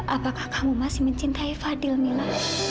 apakah kamu masih mencintai fadil mila